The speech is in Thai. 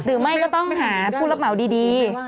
หรือไม่ก็ต้องหาผู้รับเหมาดี